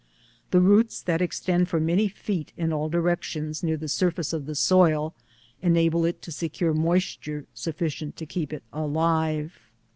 The roots that extend for many feet in all directions near the surface of the soil, enable it to secure moisture suflScient to keep it alive.